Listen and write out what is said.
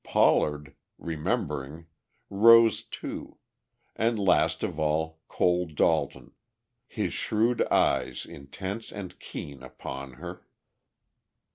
Pollard, remembering, rose too, and last of all Cole Dalton, his shrewd eyes intense and keen upon her.